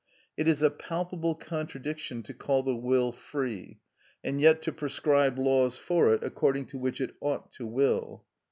It is a palpable contradiction to call the will free, and yet to prescribe laws for it according to which it ought to will.